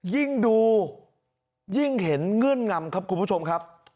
ยิ่งดูยิ่งเห็นเงื่อนงำครับคุณผู้ชมครับ